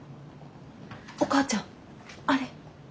お母ちゃんあれ。